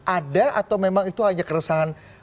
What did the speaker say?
ada atau memang itu hanya keresahan